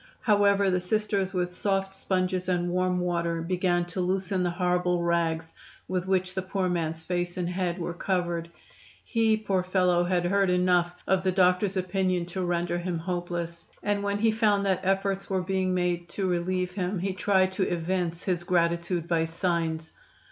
However, the Sisters with soft sponges and warm water began to loosen the horrible rags with which the poor man's face and head were covered. He, poor fellow, had heard enough of the doctor's opinion to render him hopeless, and when he found that efforts were being made to relieve him he tried to evince his gratitude by signs.